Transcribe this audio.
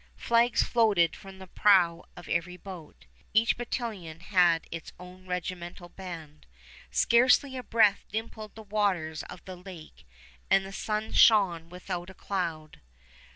Flags floated from the prow of every boat. Each battalion had its own regimental band. Scarcely a breath dimpled the waters of the lake, and the sun shone without a cloud.